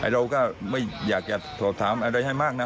เราก็ไม่อยากจะสอบถามอะไรให้มากนะ